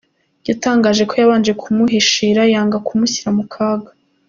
Yatangaje ko yabanje kumuhishira yanga kumushyira mu kaga.